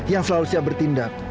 yang selalu siap bertindak